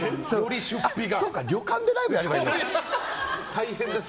そうか、旅館でライブやればいいんだ。